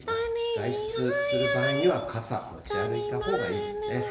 外出する場合には、傘、持ち歩いたほうがいいですね。